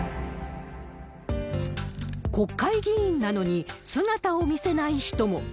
国会議員なのに、姿を見せない人も。